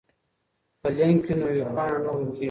که لینک وي نو ویبپاڼه نه ورکیږي.